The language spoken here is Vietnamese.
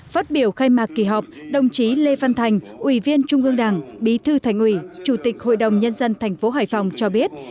phát biểu khai mạc kỳ họp đồng chí lê văn thành ủy viên trung ương đảng bí thư thành ủy chủ tịch hội đồng nhân dân thành phố hải phòng cho biết